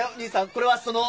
これはその。